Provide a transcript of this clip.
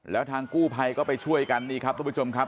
แล้วทางกู้ภัยก็ไปช่วยกันนี่ครับทุกผู้ชมครับ